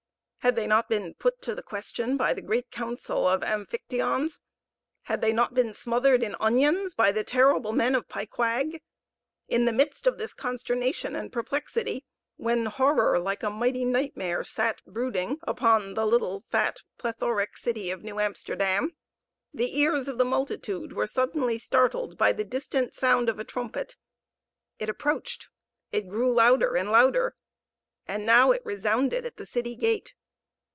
Had they not been put to the question by the great council of Amphictyons? Had they not been smothered in onions by the terrible men of Pyquag? In the midst of this consternation and perplexity, when horror, like a mighty nightmare, sat brooding upon the little, fat, plethoric city of New Amsterdam, the ears of the multitude were suddenly startled by the distant sound of a trumpet; it approached it grew louder and louder and now it resounded at the city gate.